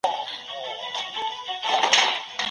چې بربنډ پټ کړو.